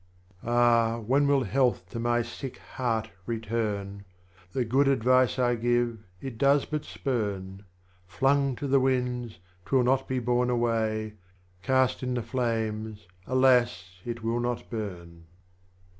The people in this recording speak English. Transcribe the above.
BABA TAHIR 24. Ah, when will Health to my Sick Heart return ! The Good Advice I give it does but spurn. Flung to the Winds, 'twill not be borne away, Cast in the Flames alas, it will not burn.